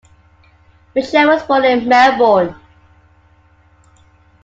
Mitchell was born in Melbourne.